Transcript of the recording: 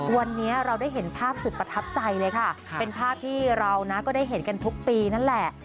วันนี้เราได้เห็นภาพสุดประทับใจเลยค่ะเป็นภาพที่เรานะก็ได้เห็นกันทุกปีนั่นแหละ